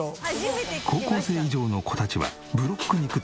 高校生以上の子たちはブロック肉担当。